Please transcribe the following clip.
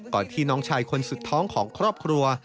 ที่น้องชายคนสุดท้องของครอบครัว